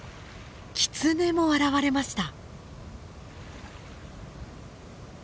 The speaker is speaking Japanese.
キツネも現れました。